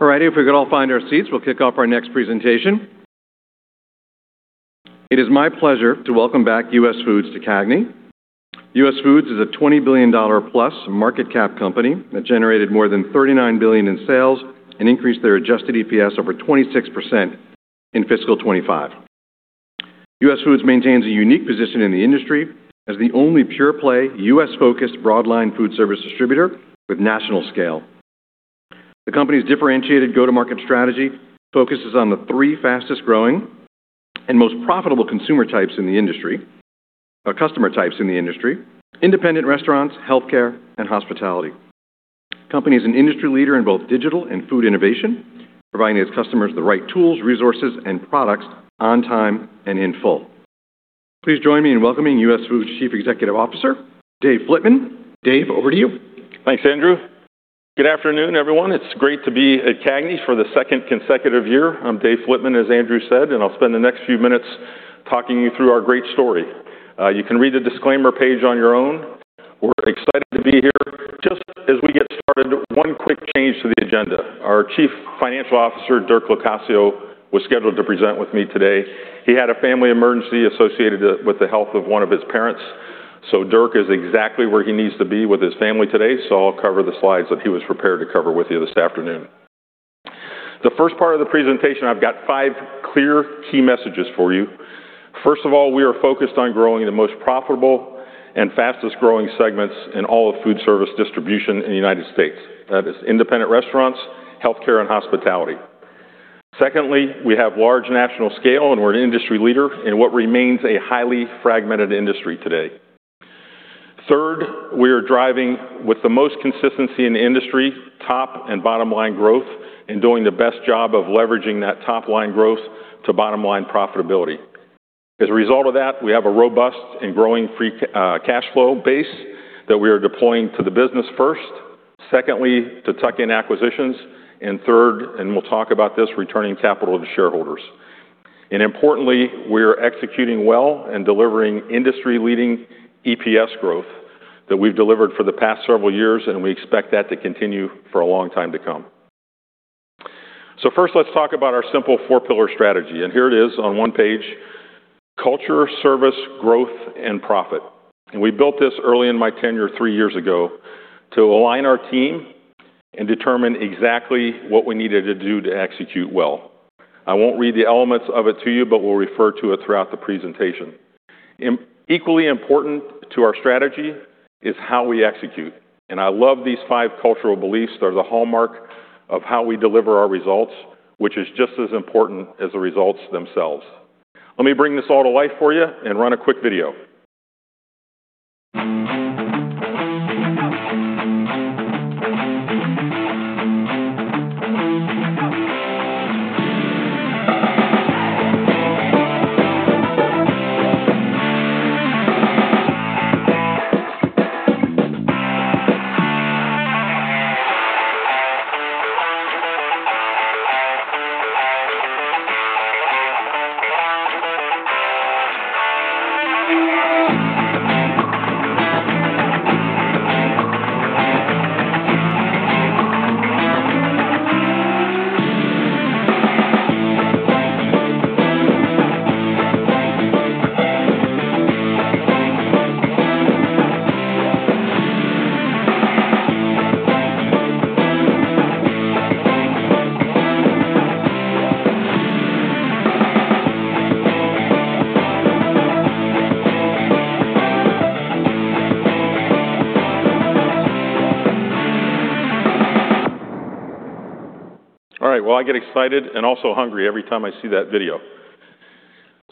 All righty, if we could all find our seats, we'll kick off our next presentation. It is my pleasure to welcome back US Foods to CAGNY. US Foods is a $20 billion+ market cap company that generated more than $39 billion in sales and increased their adjusted EPS over 26% in fiscal 2025. US Foods maintains a unique position in the industry as the only pure-play, U.S.-focused, broadline food service distributor with national scale. The company's differentiated go-to-market strategy focuses on the three fastest-growing and most profitable consumer types in the industry, customer types in the industry: independent restaurants, healthcare, and hospitality. Company is an industry leader in both digital and food innovation, providing its customers the right tools, resources, and products on time and in full. Please join me in welcoming US Foods Chief Executive Officer, Dave Flitman. Dave, over to you. Thanks, Andrew. Good afternoon, everyone. It's great to be at CAGNY for the second consecutive year. I'm Dave Flitman, as Andrew said, and I'll spend the next few minutes talking you through our great story. You can read the disclaimer page on your own. We're excited to be here. Just as we get started, one quick change to the agenda. Our Chief Financial Officer, Dirk Locascio, was scheduled to present with me today. He had a family emergency associated with the health of one of his parents, so Dirk is exactly where he needs to be with his family today. So I'll cover the slides that he was prepared to cover with you this afternoon. The first part of the presentation, I've got five clear key messages for you. First of all, we are focused on growing the most profitable and fastest-growing segments in all of food service distribution in the United States. That is independent restaurants, healthcare, and hospitality. Secondly, we have large national scale, and we're an industry leader in what remains a highly fragmented industry today. Third, we are driving with the most consistency in the industry, top and bottom line growth, and doing the best job of leveraging that top-line growth to bottom-line profitability. As a result of that, we have a robust and growing free cash flow base that we are deploying to the business first, secondly, to tuck-in acquisitions, and third, and we'll talk about this, returning capital to shareholders. Importantly, we are executing well and delivering industry-leading EPS growth that we've delivered for the past several years, and we expect that to continue for a long time to come. So first, let's talk about our simple four-pillar strategy, and here it is on one page: culture, service, growth, and profit. We built this early in my tenure three years ago to align our team and determine exactly what we needed to do to execute well. I won't read the elements of it to you, but we'll refer to it throughout the presentation. Equally important to our strategy is how we execute, and I love these five cultural beliefs. They're the hallmark of how we deliver our results, which is just as important as the results themselves. Let me bring this all to life for you and run a quick video. All right, well, I get excited and also hungry every time I see that video.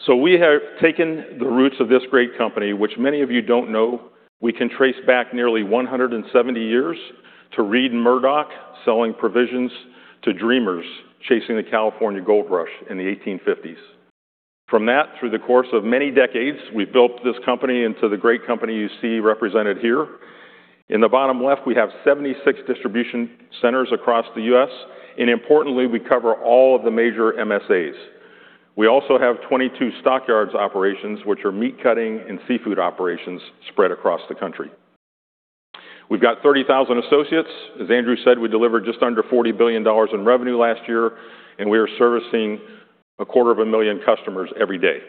So we have taken the roots of this great company, which many of you don't know, we can trace back nearly 170 years to Reid, Murdoch selling provisions to dreamers chasing the California Gold Rush in the 1850s. From that, through the course of many decades, we've built this company into the great company you see represented here. In the bottom left, we have 76 distribution centers across the U.S., and importantly, we cover all of the major MSAs. We also have 22 Stock Yards operations, which are meat cutting and seafood operations spread across the country. We've got 30,000 associates. As Andrew said, we delivered just under $40 billion in revenue last year, and we are servicing 250,000 customers every day.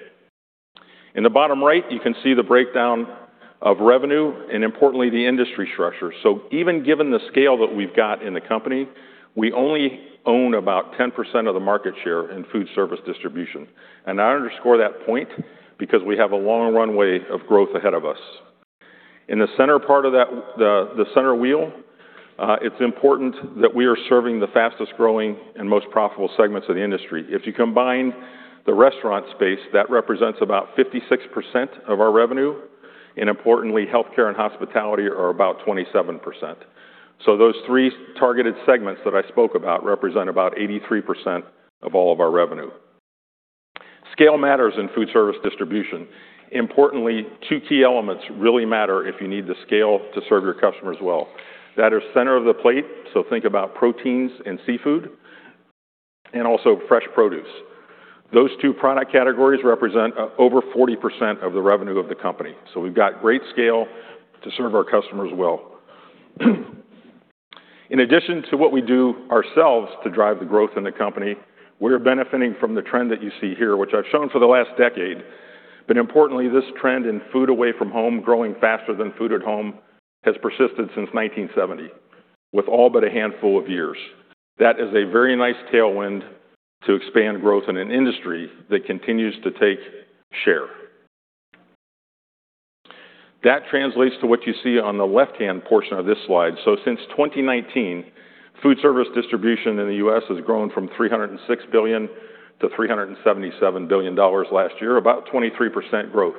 In the bottom right, you can see the breakdown of revenue and importantly, the industry structure. So even given the scale that we've got in the company, we only own about 10% of the market share in food service distribution. I underscore that point because we have a long runway of growth ahead of us. In the center part of that, the center wheel, it's important that we are serving the fastest growing and most profitable segments of the industry. If you combine the restaurant space, that represents about 56% of our revenue, and importantly, healthcare and hospitality are about 27%. So those three targeted segments that I spoke about represent about 83% of all of our revenue. Scale matters in food service distribution. Importantly, two key elements really matter if you need the scale to serve your customers well. That is center of the plate, so think about proteins and seafood and also fresh produce. Those two product categories represent over 40% of the revenue of the company. So we've got great scale to serve our customers well. In addition to what we do ourselves to drive the growth in the company, we are benefiting from the trend that you see here, which I've shown for the last decade. But importantly, this trend in food away from home, growing faster than food at home, has persisted since 1970, with all but a handful of years. That is a very nice tailwind to expand growth in an industry that continues to take share. That translates to what you see on the left-hand portion of this slide. So since 2019, food service distribution in the U.S. has grown from $306 billion to $377 billion last year, about 23% growth.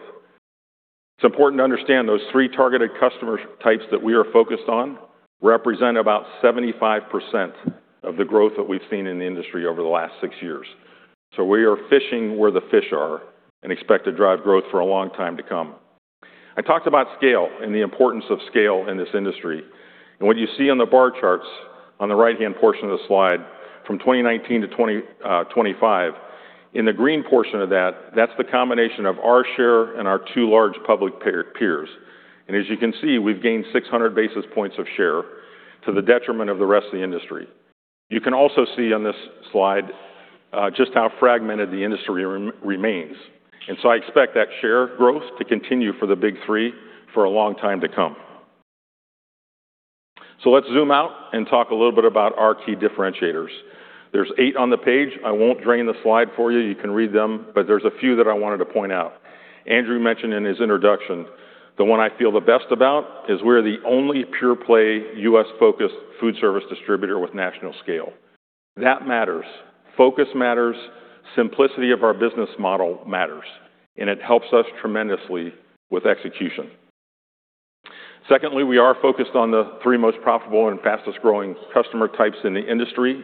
It's important to understand those three targeted customer types that we are focused on represent about 75% of the growth that we've seen in the industry over the last six years. So we are fishing where the fish are and expect to drive growth for a long time to come. I talked about scale and the importance of scale in this industry, and what you see on the bar charts on the right-hand portion of the slide from 2019 to 2025, in the green portion of that, that's the combination of our share and our two large public peers. And as you can see, we've gained 600 basis points of share to the detriment of the rest of the industry. You can also see on this slide, just how fragmented the industry remains, and so I expect that share growth to continue for the big three for a long time to come. So let's zoom out and talk a little bit about our key differentiators. There's eight on the page. I won't drain the slide for you. You can read them, but there's a few that I wanted to point out. Andrew mentioned in his introduction, the one I feel the best about is we're the only pure-play U.S.-focused food service distributor with national scale. That matters. Focus matters, simplicity of our business model matters, and it helps us tremendously with execution. Secondly, we are focused on the three most profitable and fastest-growing customer types in the industry.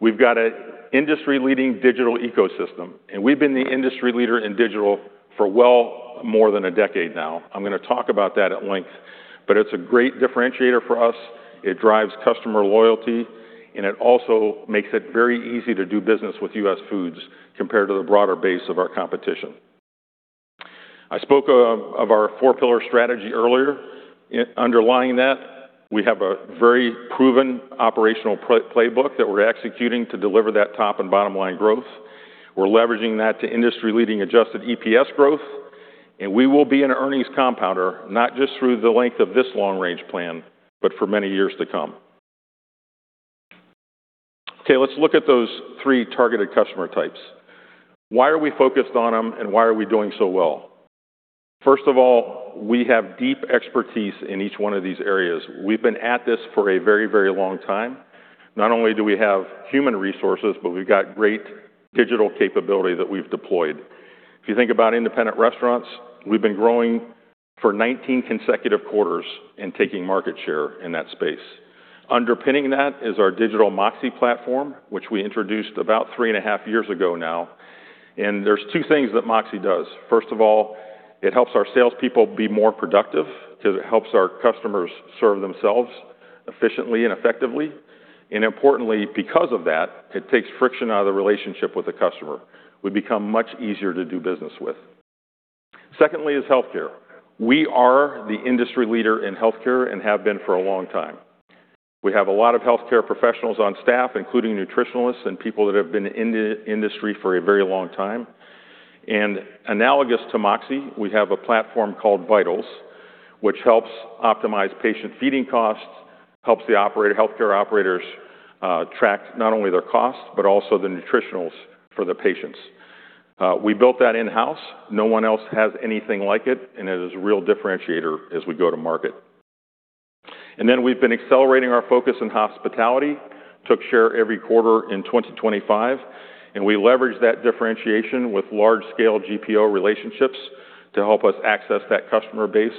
We've got an industry-leading digital ecosystem, and we've been the industry leader in digital for well more than a decade now. I'm gonna talk about that at length, but it's a great differentiator for us. It drives customer loyalty, and it also makes it very easy to do business with US Foods compared to the broader base of our competition. I spoke of, of our four-pillar strategy earlier. Underlining that, we have a very proven operational play, playbook that we're executing to deliver that top and bottom line growth. We're leveraging that to industry-leading adjusted EPS growth, and we will be an earnings compounder, not just through the length of this long-range plan, but for many years to come. Okay, let's look at those three targeted customer types. Why are we focused on them, and why are we doing so well? First of all, we have deep expertise in each one of these areas. We've been at this for a very, very long time. Not only do we have human resources, but we've got great digital capability that we've deployed. If you think about independent restaurants, we've been growing for 19 consecutive quarters and taking market share in that space. Underpinning that is our digital MOXē platform, which we introduced about 3.5 years ago now, and there's two things that MOXē does. First of all, it helps our salespeople be more productive, 'cause it helps our customers serve themselves efficiently and effectively, and importantly, because of that, it takes friction out of the relationship with the customer. We become much easier to do business with. Secondly is healthcare. We are the industry leader in healthcare and have been for a long time. We have a lot of healthcare professionals on staff, including nutritionalists and people that have been in the industry for a very long time. Analogous to MOXē, we have a platform called Vitals, which helps optimize patient feeding costs, helps the operator, healthcare operators, track not only their costs, but also the nutritionals for the patients. We built that in-house. No one else has anything like it, and it is a real differentiator as we go to market. Then we've been accelerating our focus in hospitality, took share every quarter in 2025, and we leverage that differentiation with large-scale GPO relationships to help us access that customer base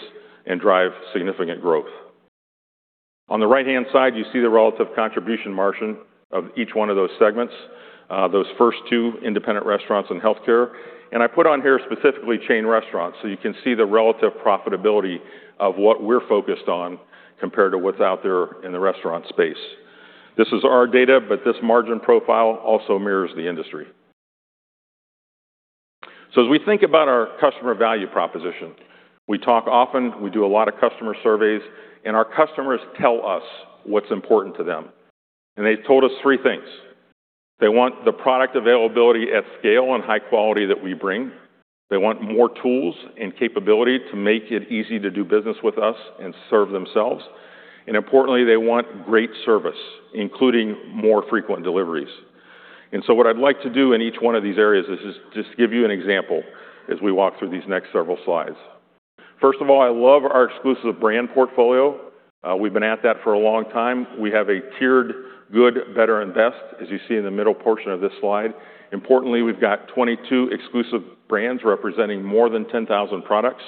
and drive significant growth. On the right-hand side, you see the relative contribution margin of each one of those segments, those first two, independent restaurants and healthcare. I put on here specifically chain restaurants, so you can see the relative profitability of what we're focused on compared to what's out there in the restaurant space. This is our data, but this margin profile also mirrors the industry. As we think about our customer value proposition, we talk often, we do a lot of customer surveys, and our customers tell us what's important to them, and they've told us three things: They want the product availability at scale and high quality that we bring. They want more tools and capability to make it easy to do business with us and serve themselves. And importantly, they want great service, including more frequent deliveries. So what I'd like to do in each one of these areas is just give you an example as we walk through these next several slides. First of all, I love our exclusive brand portfolio. We've been at that for a long time. We have a tiered good, better, and best, as you see in the middle portion of this slide. Importantly, we've got 22 exclusive brands representing more than 10,000 products,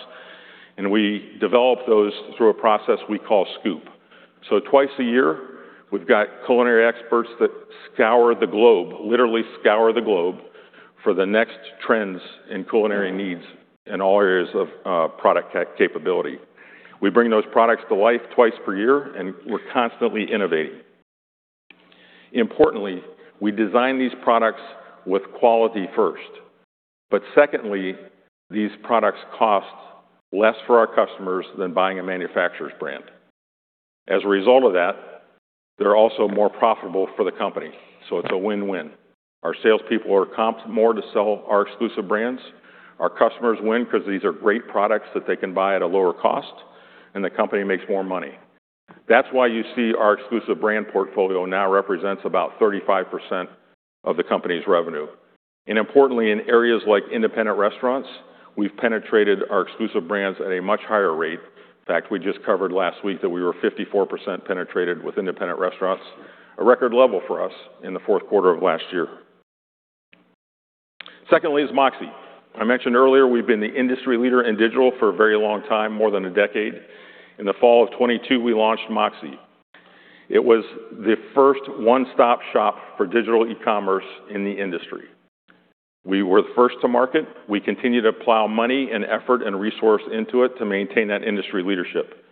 and we develop those through a process we call Scoop. So twice a year, we've got culinary experts that scour the globe, literally scour the globe for the next trends in culinary needs in all areas of product capability. We bring those products to life twice per year, and we're constantly innovating. Importantly, we design these products with quality first, but secondly, these products cost less for our customers than buying a manufacturer's brand. As a result of that, they're also more profitable for the company. So it's a win-win. Our salespeople are comped more to sell our exclusive brands. Our customers win because these are great products that they can buy at a lower cost, and the company makes more money. That's why you see our exclusive brand portfolio now represents about 35% of the company's revenue. And importantly, in areas like independent restaurants, we've penetrated our exclusive brands at a much higher rate. In fact, we just covered last week that we were 54% penetrated with independent restaurants, a record level for us in the fourth quarter of last year. Secondly, is MOXē. I mentioned earlier, we've been the industry leader in digital for a very long time, more than a decade. In the fall of 2022, we launched MOXē. It was the first one-stop shop for digital e-commerce in the industry. We were the first to market. We continue to plow money and effort and resource into it to maintain that industry leadership.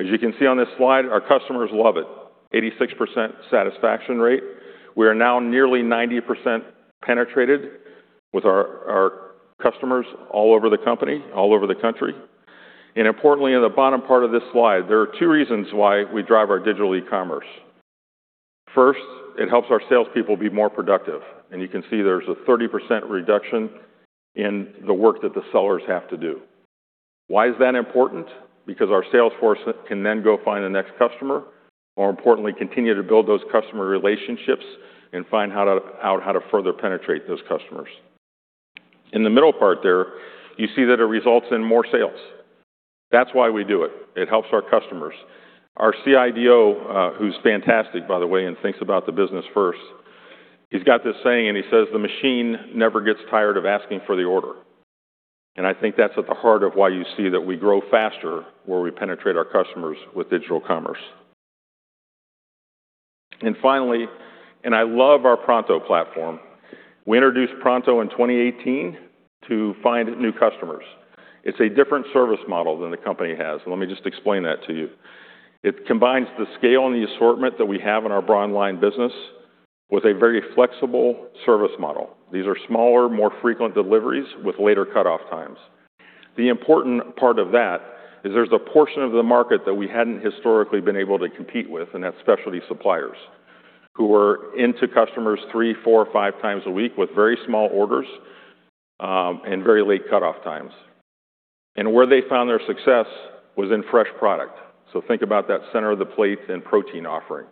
As you can see on this slide, our customers love it. 86% satisfaction rate. We are now nearly 90% penetrated with our customers all over the company, all over the country. And importantly, in the bottom part of this slide, there are two reasons why we drive our digital e-commerce. First, it helps our salespeople be more productive, and you can see there's a 30% reduction in the work that the sellers have to do. Why is that important? Because our sales force can then go find the next customer, more importantly, continue to build those customer relationships and find out how to further penetrate those customers. In the middle part there, you see that it results in more sales. That's why we do it. It helps our customers. Our CIDO, who's fantastic, by the way, and thinks about the business first, he's got this saying, and he says, "The machine never gets tired of asking for the order." And I think that's at the heart of why you see that we grow faster where we penetrate our customers with digital commerce. And finally, and I love our Pronto platform. We introduced Pronto in 2018 to find new customers. It's a different service model than the company has. Let me just explain that to you. It combines the scale and the assortment that we have in our broadline business with a very flexible service model. These are smaller, more frequent deliveries with later cut-off times. The important part of that is there's a portion of the market that we hadn't historically been able to compete with, and that's specialty suppliers who were into customers three, four, or five times a week with very small orders, and very late cut-off times. And where they found their success was in fresh product. So think about that center of the plate and protein offering.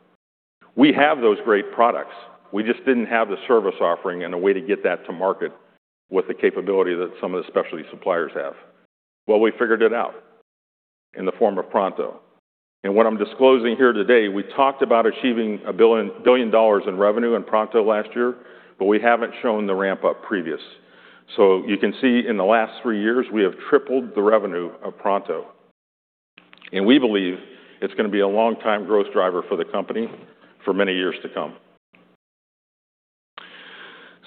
We have those great products. We just didn't have the service offering and a way to get that to market with the capability that some of the specialty suppliers have. Well, we figured it out in the form of Pronto. And what I'm disclosing here today, we talked about achieving $1 billion in revenue in Pronto last year, but we haven't shown the ramp-up previous. So you can see in the last three years, we have tripled the revenue of Pronto, and we believe it's gonna be a long-time growth driver for the company for many years to come.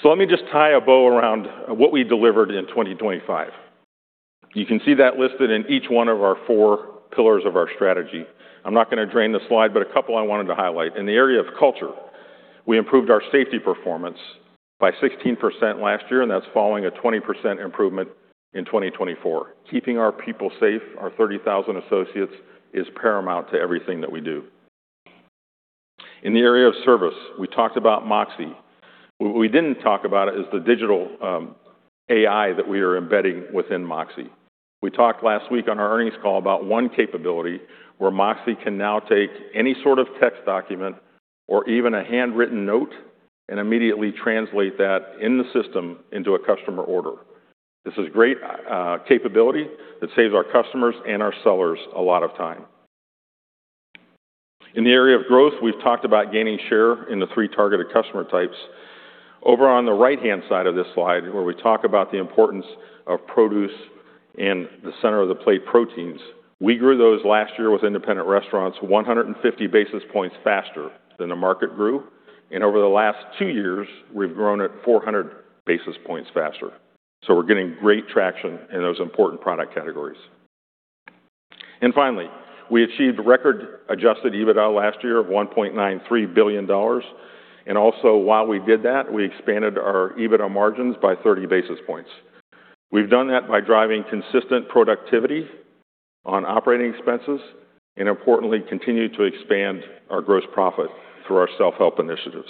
So let me just tie a bow around what we delivered in 2025. You can see that listed in each one of our four pillars of our strategy. I'm not gonna drain the slide, but a couple I wanted to highlight. In the area of culture, we improved our safety performance by 16% last year, and that's following a 20% improvement in 2024. Keeping our people safe, our 30,000 associates, is paramount to everything that we do. In the area of service, we talked about MOXē. What we didn't talk about is the digital, AI that we are embedding within MOXē. We talked last week on our earnings call about one capability, where MOXē can now take any sort of text document or even a handwritten note and immediately translate that in the system into a customer order. This is great capability that saves our customers and our sellers a lot of time. In the area of growth, we've talked about gaining share in the three targeted customer types. Over on the right-hand side of this slide, where we talk about the importance of produce in the center of the plate proteins, we grew those last year with independent restaurants, 150 basis points faster than the market grew, and over the last two years, we've grown at 400 basis points faster. So we're getting great traction in those important product categories. And finally, we achieved record-adjusted EBITDA last year of $1.93 billion, and also, while we did that, we expanded our EBITDA margins by 30 basis points. We've done that by driving consistent productivity on operating expenses and importantly, continued to expand our gross profit through our self-help initiatives.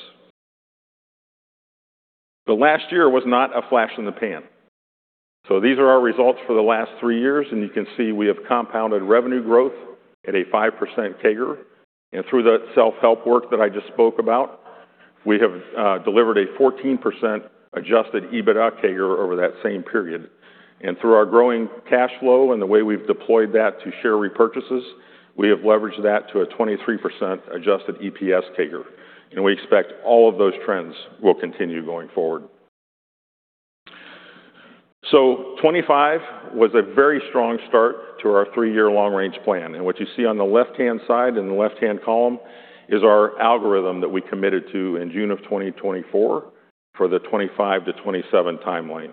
The last year was not a flash in the pan. So these are our results for the last three years, and you can see we have compounded revenue growth at a 5% CAGR. And through that self-help work that I just spoke about, we have delivered a 14% adjusted EBITDA CAGR over that same period. And through our growing cash flow and the way we've deployed that to share repurchases, we have leveraged that to a 23% adjusted EPS CAGR, and we expect all of those trends will continue going forward. So 2025 was a very strong start to our three-year long range plan, and what you see on the left-hand side, in the left-hand column, is our algorithm that we committed to in June of 2024 for the 2025-2027 timeline.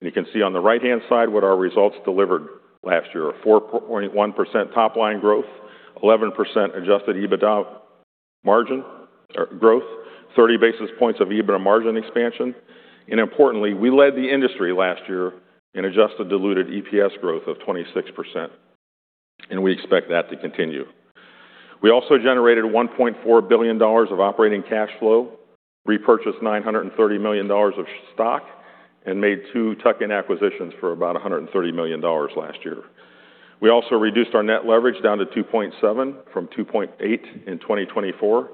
And you can see on the right-hand side what our results delivered last year: a 4.1% top-line growth, 11% adjusted EBITDA margin growth, 30 basis points of EBITDA margin expansion. And importantly, we led the industry last year in adjusted diluted EPS growth of 26%, and we expect that to continue. We also generated $1.4 billion of operating cash flow, repurchased $930 million of stock, and made two tuck-in acquisitions for about $130 million last year. We also reduced our net leverage down to 2.7x from 2.8x in 2024,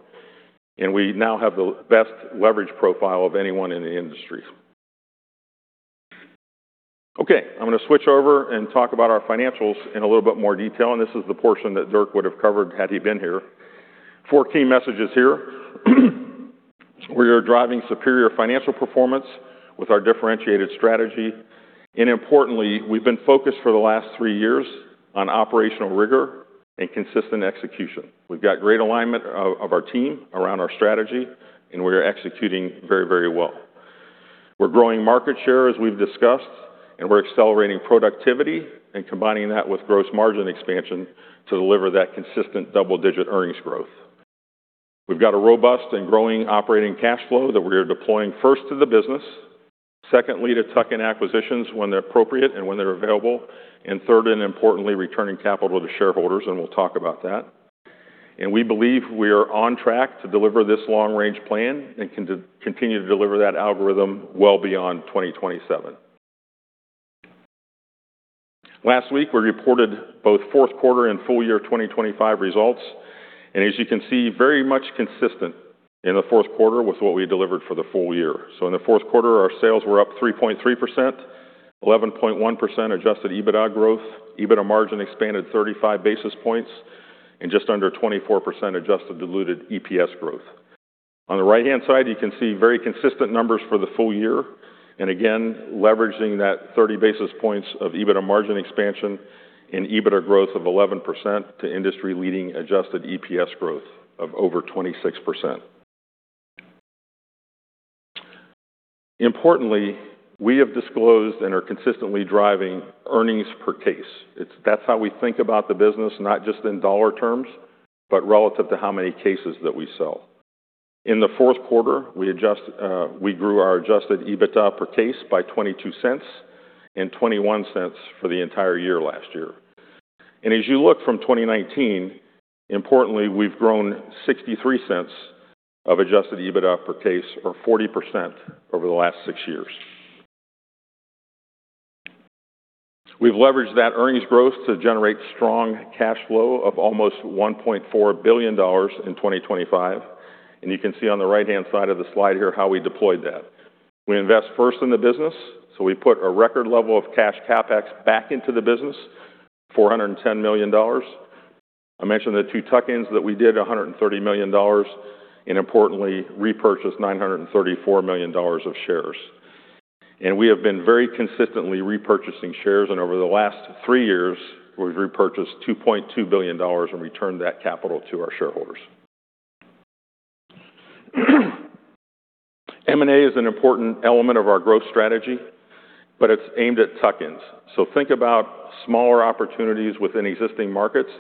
and we now have the best leverage profile of anyone in the industry. Okay, I'm going to switch over and talk about our financials in a little bit more detail, and this is the portion that Dirk would have covered had he been here. Four key messages here. We are driving superior financial performance with our differentiated strategy, and importantly, we've been focused for the last three years on operational rigor and consistent execution. We've got great alignment of our team around our strategy, and we are executing very, very well. We're growing market share, as we've discussed, and we're accelerating productivity and combining that with gross margin expansion to deliver that consistent double-digit earnings growth. We've got a robust and growing operating cash flow that we are deploying first to the business, secondly, to tuck-in acquisitions when they're appropriate and when they're available, and third, and importantly, returning capital to shareholders, and we'll talk about that. And we believe we are on track to deliver this long-range plan and can continue to deliver that algorithm well beyond 2027. Last week, we reported both fourth quarter and full year 2025 results, and as you can see, very much consistent in the fourth quarter with what we delivered for the full year. So in the fourth quarter, our sales were up 3.3%, 11.1% adjusted EBITDA growth, EBITDA margin expanded 35 basis points, and just under 24% adjusted diluted EPS growth. On the right-hand side, you can see very consistent numbers for the full year, and again, leveraging that 30 basis points of EBITDA margin expansion and EBITDA growth of 11% to industry-leading adjusted EPS growth of over 26%. Importantly, we have disclosed and are consistently driving earnings per case. That's how we think about the business, not just in dollar terms, but relative to how many cases that we sell. In the fourth quarter, we adjust, we grew our adjusted EBITDA per case by $0.22 and $0.21 for the entire year last year. And as you look from 2019, importantly, we've grown $0.63 of adjusted EBITDA per case or 40% over the last six years. We've leveraged that earnings growth to generate strong cash flow of almost $1.4 billion in 2025, and you can see on the right-hand side of the slide here how we deployed that. We invest first in the business, so we put a record level of cash CapEx back into the business, $410 million. I mentioned the two tuck-ins that we did, $130 million, and importantly, repurchased $934 million of shares. We have been very consistently repurchasing shares, and over the last three years, we've repurchased $2.2 billion and returned that capital to our shareholders. M&A is an important element of our growth strategy, but it's aimed at tuck-ins. So think about smaller opportunities within existing markets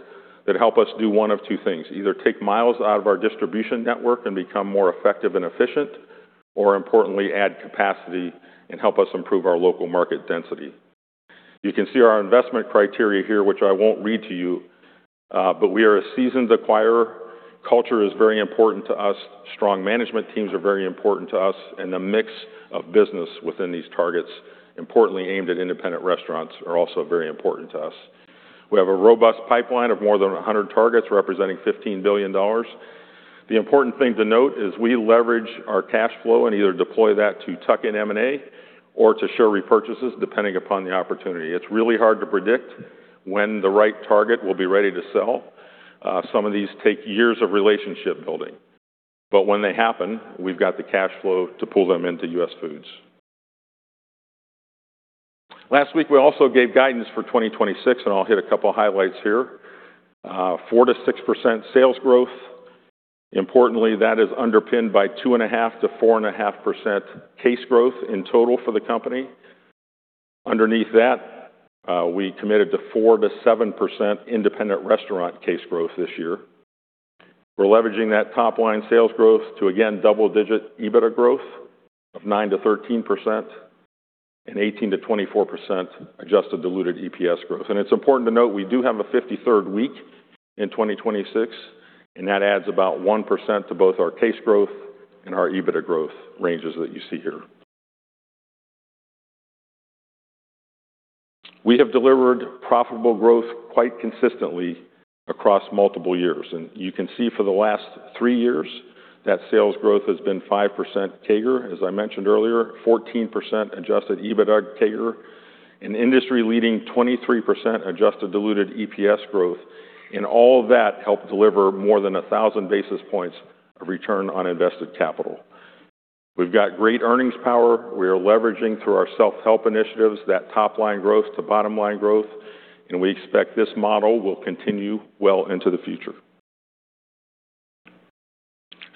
that help us do one of two things: either take miles out of our distribution network and become more effective and efficient, or importantly, add capacity and help us improve our local market density. You can see our investment criteria here, which I won't read to you, but we are a seasoned acquirer. Culture is very important to us, strong management teams are very important to us, and the mix of business within these targets, importantly, aimed at independent restaurants, are also very important to us. We have a robust pipeline of more than 100 targets, representing $15 billion. The important thing to note is we leverage our cash flow and either deploy that to tuck-in M&A or to share repurchases, depending upon the opportunity. It's really hard to predict when the right target will be ready to sell. Some of these take years of relationship building. But when they happen, we've got the cash flow to pull them into US Foods. Last week, we also gave guidance for 2026, and I'll hit a couple highlights here. 4%-6% sales growth. Importantly, that is underpinned by 2.5%-4.5% case growth in total for the company. Underneath that, we committed to 4%-7% independent restaurant case growth this year. We're leveraging that top-line sales growth to, again, double-digit EBITDA growth of 9%-13% and 18%-24% adjusted diluted EPS growth. It's important to note, we do have a 53rd week in 2026, and that adds about 1% to both our case growth and our EBITDA growth ranges that you see here. We have delivered profitable growth quite consistently across multiple years. You can see for the last three years, that sales growth has been 5% CAGR, as I mentioned earlier, 14% adjusted EBITDA CAGR, and industry-leading 23% adjusted diluted EPS growth. All of that helped deliver more than 1,000 basis points of return on invested capital. We've got great earnings power. We are leveraging through our self-help initiatives, that top line growth to bottom line growth, and we expect this model will continue well into the future.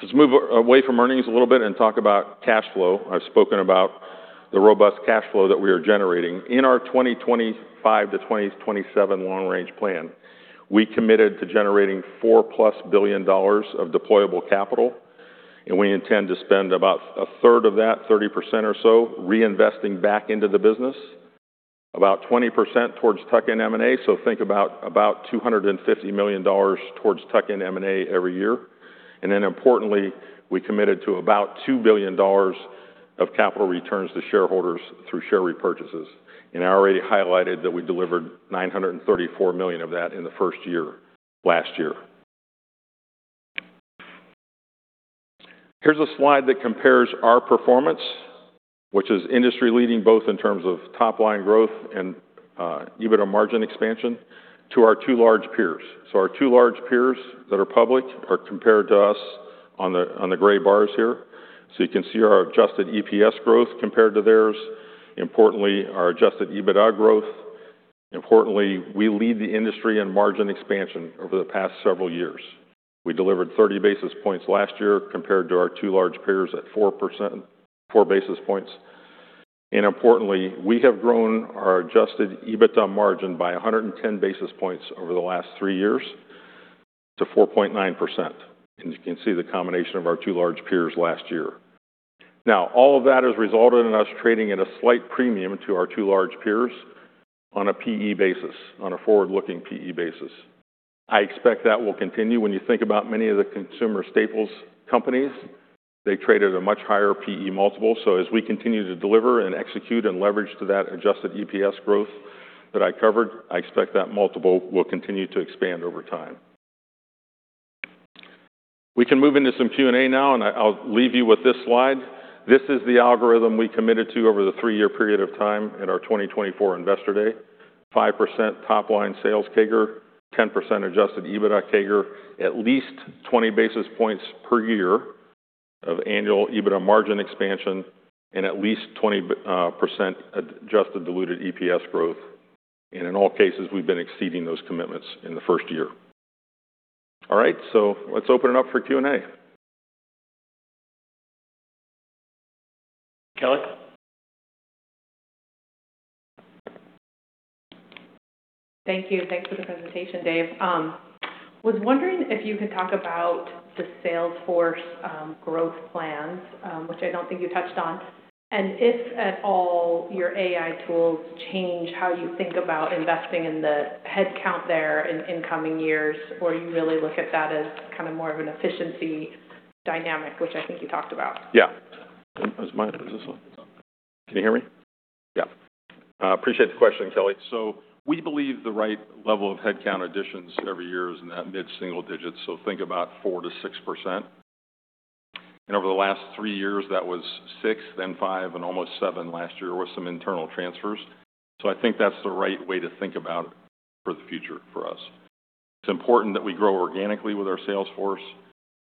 Let's move away from earnings a little bit and talk about cash flow. I've spoken about the robust cash flow that we are generating. In our 2025-2027 long-range plan, we committed to generating $4 billion+ of deployable capital, and we intend to spend about a third of that, 30% or so, reinvesting back into the business, about 20% towards tuck-in M&A. So think about, about $250 million towards tuck-in M&A every year. And then importantly, we committed to about $2 billion of capital returns to shareholders through share repurchases. And I already highlighted that we delivered $934 million of that in the first year, last year. Here's a slide that compares our performance, which is industry-leading, both in terms of top line growth and EBITDA margin expansion to our two large peers. So our two large peers that are public are compared to us on the, on the gray bars here. So you can see our adjusted EPS growth compared to theirs. Importantly, our adjusted EBITDA growth. Importantly, we lead the industry in margin expansion over the past several years. We delivered 30 basis points last year compared to our two large peers at 4%--4 basis points. And importantly, we have grown our adjusted EBITDA margin by 110 basis points over the last three years to 4.9%. And you can see the combination of our two large peers last year. Now, all of that has resulted in us trading at a slight premium to our two large peers on a PE basis, on a forward-looking PE basis. I expect that will continue. When you think about many of the consumer staples companies, they trade at a much higher PE multiple. So as we continue to deliver and execute and leverage to that adjusted EPS growth that I covered, I expect that multiple will continue to expand over time. We can move into some Q&A now, and I, I'll leave you with this slide. This is the algorithm we committed to over the three-year period of time in our 2024 Investor Day. 5% top-line sales CAGR, 10% adjusted EBITDA CAGR, at least 20 basis points per year of annual EBITDA margin expansion, and at least 20% adjusted diluted EPS growth. And in all cases, we've been exceeding those commitments in the first year. All right, so let's open it up for Q&A. Kelly? Thank you. Thanks for the presentation, Dave. Was wondering if you could talk about the sales force, growth plans, which I don't think you touched on, and if at all, your AI tools change how you think about investing in the headcount there in coming years, or you really look at that as kind of more of an efficiency dynamic, which I think you talked about? Yeah. Is mine or is this on? Can you hear me? Yeah. I appreciate the question, Kelly. So we believe the right level of headcount additions every year is in that mid-single digits, so think about 4%-6%. And over the last three years, that was 6%, then 5%, and almost 7% last year with some internal transfers. So I think that's the right way to think about it for the future for us. It's important that we grow organically with our sales force.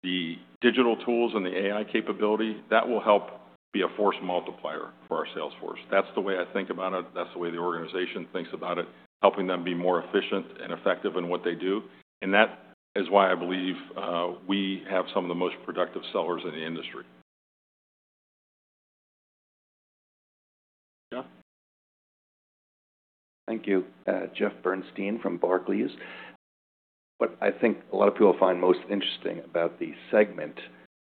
The digital tools and the AI capability, that will help be a force multiplier for our sales force. That's the way I think about it. That's the way the organization thinks about it, helping them be more efficient and effective in what they do. And that is why I believe we have some of the most productive sellers in the industry. Jeff? Thank you. Jeff Bernstein from Barclays. What I think a lot of people find most interesting about the segment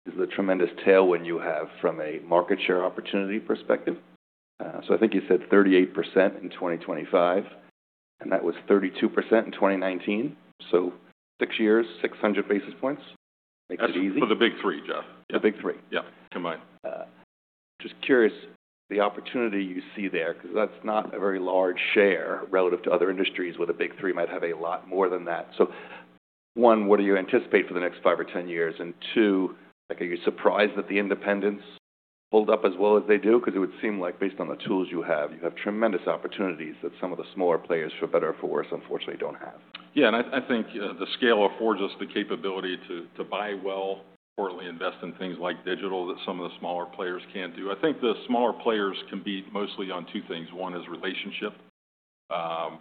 is the tremendous tailwind you have from a market share opportunity perspective. So I think you said 38% in 2025, and that was 32% in 2019. So six years, 600 basis points makes it easy. For the big three, Jeff. The big three. Yeah. Combined. Just curious, the opportunity you see there, because that's not a very large share relative to other industries, where the big three might have a lot more than that. So one, what do you anticipate for the next 5 or 10 years? And two, like, are you surprised that the independents hold up as well as they do? Because it would seem like based on the tools you have, you have tremendous opportunities that some of the smaller players, for better or for worse, unfortunately, don't have. Yeah, and I think the scale affords us the capability to buy well, importantly, invest in things like digital that some of the smaller players can't do. I think the smaller players compete mostly on two things. One is relationship,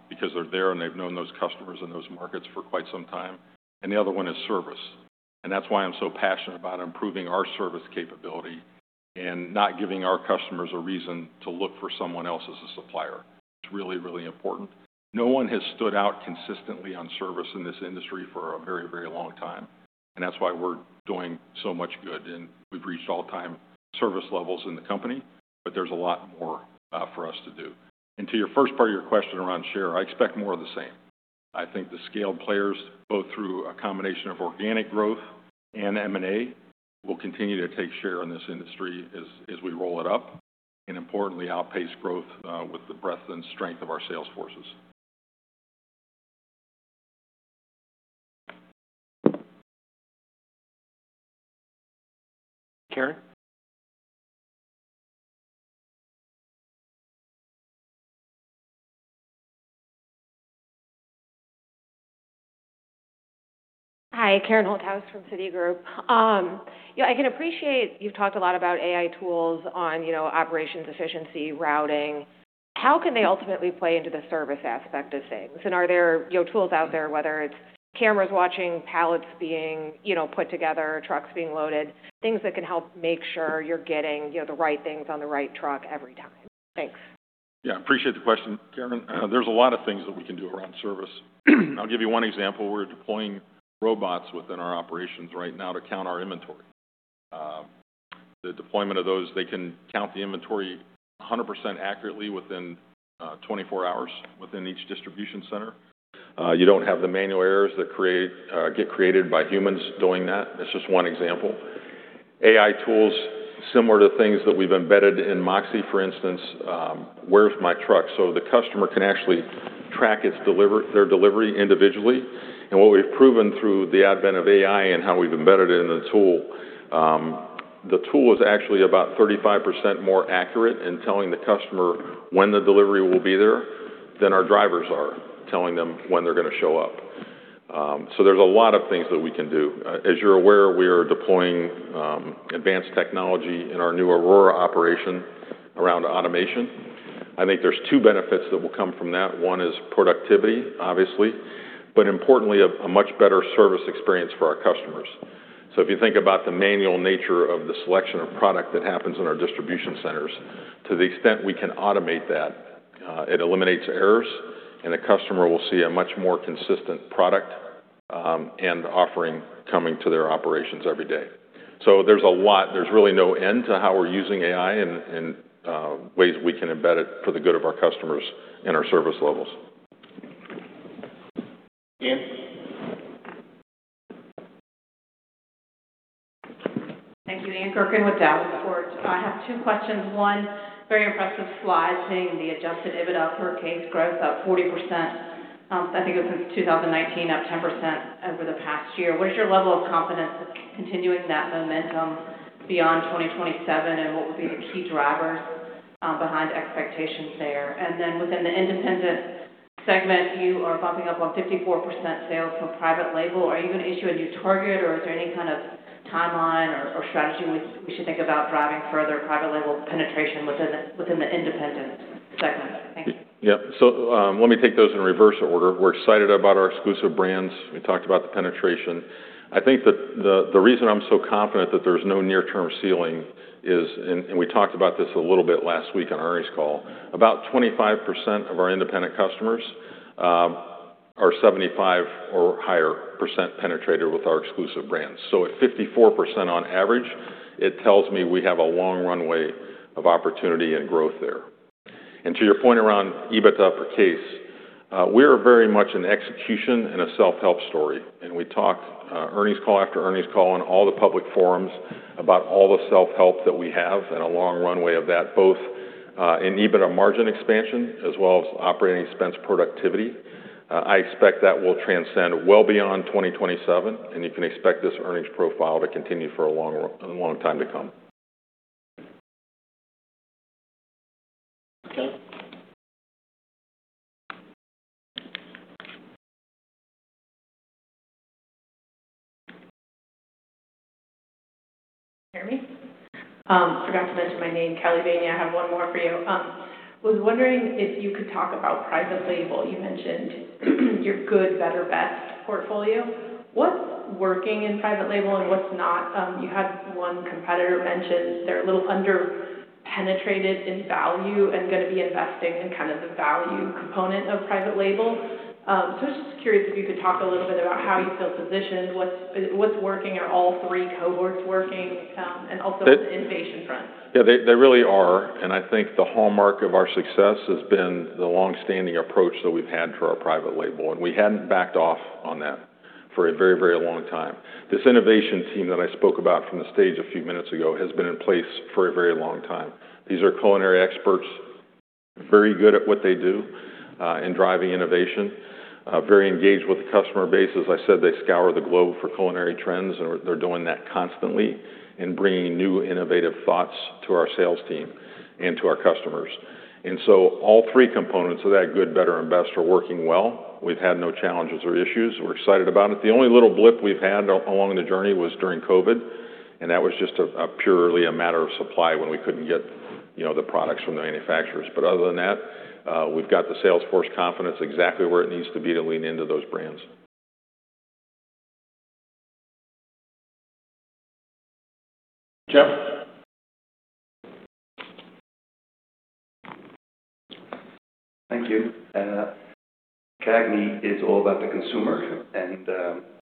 because they're there and they've known those customers in those markets for quite some time. And the other one is service. And that's why I'm so passionate about improving our service capability and not giving our customers a reason to look for someone else as a supplier. It's really, really important. No one has stood out consistently on service in this industry for a very, very long time, and that's why we're doing so much good, and we've reached all-time service levels in the company, but there's a lot more for us to do. To your first part of your question around share, I expect more of the same. I think the scaled players, both through a combination of organic growth and M&A, will continue to take share in this industry as, as we roll it up, and importantly, outpace growth with the breadth and strength of our sales forces. Karen? Hi, Karen Holthouse from Citigroup. Yeah, I can appreciate you've talked a lot about AI tools on, you know, operations, efficiency, routing. How can they ultimately play into the service aspect of things? And are there, you know, tools out there, whether it's cameras watching palettes being, you know, put together, trucks being loaded, things that can help make sure you're getting, you know, the right things on the right truck every time? Thanks. Yeah, appreciate the question, Karen. There's a lot of things that we can do around service. I'll give you one example. We're deploying robots within our operations right now to count our inventory. The deployment of those, they can count the inventory 100% accurately within 24 hours within each distribution center. You don't have the manual errors that get created by humans doing that. That's just one example. AI tools, similar to things that we've embedded in MOXē, for instance, where's my truck? So the customer can actually track their delivery individually. And what we've proven through the advent of AI and how we've embedded it in the tool, the tool is actually about 35% more accurate in telling the customer when the delivery will be there than our drivers are telling them when they're gonna show up. So there's a lot of things that we can do. As you're aware, we are deploying advanced technology in our new Aurora operation around automation. I think there's two benefits that will come from that. One is productivity, obviously, but importantly, a much better service experience for our customers. So if you think about the manual nature of the selection of product that happens in our distribution centers, to the extent we can automate that, it eliminates errors, and the customer will see a much more consistent product and offering coming to their operations every day. So there's a lot-- There's really no end to how we're using AI and ways we can embed it for the good of our customers and our service levels. Ann? Thank you. Ann Gurkin with Davenport. I have two questions. One, very impressive slide saying the adjusted EBITDA per case growth up 40%. I think it was since 2019, up 10% over the past year. What is your level of confidence continuing that momentum beyond 2027, and what would be the key drivers behind expectations there? And then within the independent segment, you are bumping up on 54% sales from private label. Are you going to issue a new target, or is there any kind of timeline or strategy we should think about driving further private label penetration within the independent segment? Thank you. Yeah. So, let me take those in reverse order. We're excited about our exclusive brands. We talked about the penetration. I think that the reason I'm so confident that there's no near-term ceiling is, and, and we talked about this a little bit last week on Ernie's call, about 25% of our independent customers are 75% or higher penetrator with our exclusive brands. So at 54% on average, it tells me we have a long runway of opportunity and growth there. And to your point around EBITDA per case, we are very much an execution and a self-help story, and we talked, earnings call after earnings call in all the public forums about all the self-help that we have and a long runway of that, both, in EBITDA margin expansion as well as operating expense productivity. I expect that will transcend well beyond 2027, and you can expect this earnings profile to continue for a long time to come. Okay. Can you hear me? Forgot to mention my name, Kelly Bania. I have one more for you. Was wondering if you could talk about private label. You mentioned your good, better, best portfolio. What's working in private label and what's not? You had one competitor mention they're a little under-penetrated in value and gonna be investing in kind of the value component of private label. So I'm just curious if you could talk a little bit about how you feel positioned, what's working? Are all three cohorts working, and also the innovation front? Yeah, they really are, and I think the hallmark of our success has been the long-standing approach that we've had for our private label, and we hadn't backed off on that for a very, very long time. This innovation team that I spoke about from the stage a few minutes ago has been in place for a very long time. These are culinary experts, very good at what they do, in driving innovation, very engaged with the customer base. As I said, they scour the globe for culinary trends, and they're doing that constantly and bringing new innovative thoughts to our sales team and to our customers. And so all three components of that good, better, and best are working well. We've had no challenges or issues. We're excited about it. The only little blip we've had along the journey was during COVID, and that was just a purely a matter of supply when we couldn't get, you know, the products from the manufacturers. But other than that, we've got the sales force confidence exactly where it needs to be to lean into those brands. Jeff? Thank you. CAGNY is all about the consumer, and,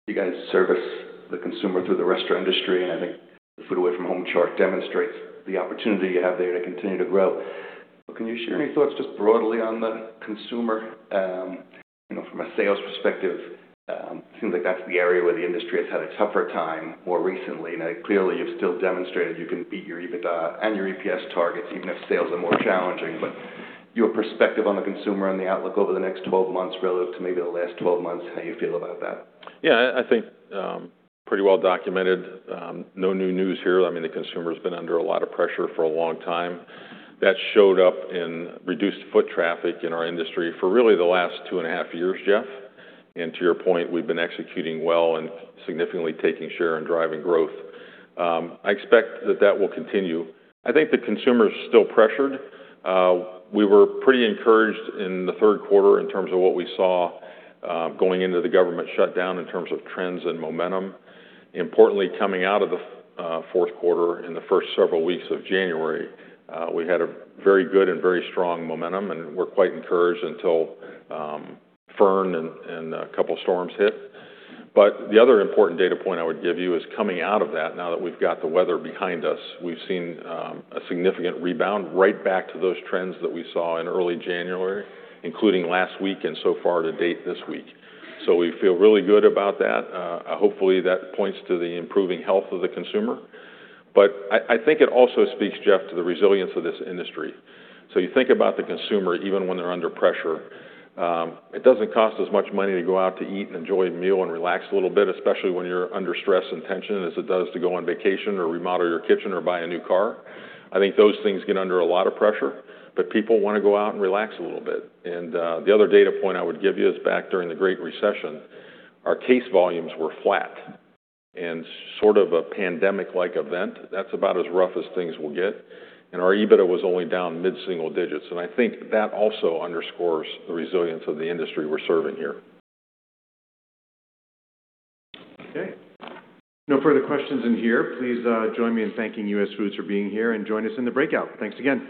you guys service the consumer through the restaurant industry, and I think the food away from home chart demonstrates the opportunity you have there to continue to grow. But can you share any thoughts just broadly on the consumer? You know, from a sales perspective, seems like that's the area where the industry has had a tougher time more recently. Now, clearly, you've still demonstrated you can beat your EBITDA and your EPS targets, even if sales are more challenging. But your perspective on the consumer and the outlook over the next twelve months relative to maybe the last twelve months, how you feel about that? Yeah, I think pretty well documented. No new news here. I mean, the consumer's been under a lot of pressure for a long time. That showed up in reduced foot traffic in our industry for really the last 2.5 years, Jeff. And to your point, we've been executing well and significantly taking share and driving growth. I expect that that will continue. I think the consumer is still pressured. We were pretty encouraged in the third quarter in terms of what we saw, going into the government shutdown in terms of trends and momentum. Importantly, coming out of the fourth quarter, in the first several weeks of January, we had a very good and very strong momentum, and we're quite encouraged until Fern and a couple storms hit. But the other important data point I would give you is coming out of that, now that we've got the weather behind us, we've seen a significant rebound right back to those trends that we saw in early January, including last week and so far to date this week. So we feel really good about that. Hopefully, that points to the improving health of the consumer. But I, I think it also speaks, Jeff, to the resilience of this industry. So you think about the consumer, even when they're under pressure, it doesn't cost as much money to go out to eat and enjoy a meal and relax a little bit, especially when you're under stress and tension, as it does to go on vacation or remodel your kitchen or buy a new car. I think those things get under a lot of pressure, but people wanna go out and relax a little bit. And, the other data point I would give you is back during the Great Recession, our case volumes were flat and sort of a pandemic-like event. That's about as rough as things will get, and our EBITDA was only down mid-single digits, and I think that also underscores the resilience of the industry we're serving here. Okay. No further questions in here. Please, join me in thanking US Foods for being here, and join us in the breakout. Thanks again.